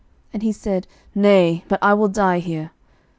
And he said, Nay; but I will die here.